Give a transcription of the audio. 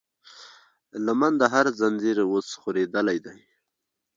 لمن د هر زنځير اوس خورېدلی دی